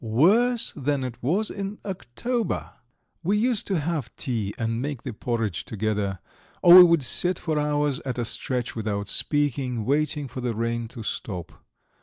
Worse than it was in October!" We used to have tea and make the porridge together, or we would sit for hours at a stretch without speaking, waiting for the rain to stop.